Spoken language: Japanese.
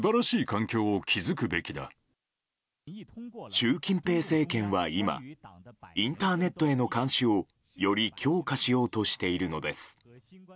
習近平政権は今インターネットへの監視をより強化しようとしているのです。